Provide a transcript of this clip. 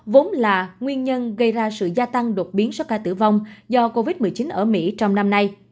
vốn là nguyên nhân gây ra sự gia tăng đột biến số ca tử vong do covid một mươi chín ở mỹ trong năm nay